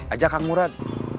ajak kang murad